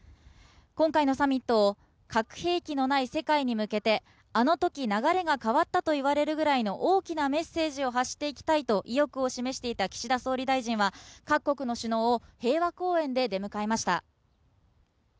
今回のサミットを核兵器のない世界に向けて、あのとき流れが変わったと言われるぐらいの大きなメッセージを発していきたいと意欲を示していた岸田総理大臣は、各国の首脳を平和公園で出迎えました。